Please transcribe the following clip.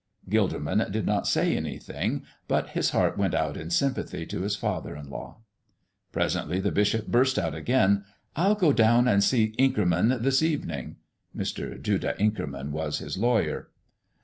Gilderman did not say anything, but his heart went out in sympathy to his father in law. Presently the bishop burst out again, "I'll go down and see Inkerman this evening!" (Mr. Judah Inkerman was his lawyer.)